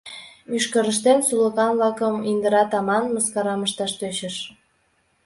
— Мӱшкырыштем сулыкан-влакым индырат аман, — мыскарам ышташ тӧчыш.